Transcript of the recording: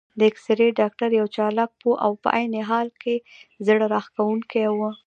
د اېکسرې ډاکټر یو چالاک، پوه او په عین حال کې زړه راښکونکی و.